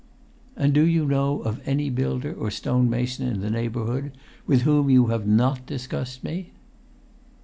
"And do you know of any builder or stonemason in the neighbourhood with whom you have not discussed me?"